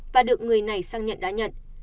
và được người này sang nhận đã nhận